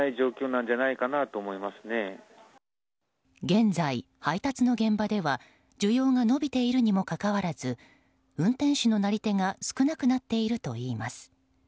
現在、配達の現場では需要が伸びているにもかかわらず運転手のなり手が少なくなっているといいます。